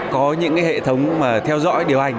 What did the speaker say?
có những hệ thống theo dõi điều hành